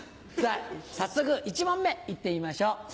早速１問目いってみましょう。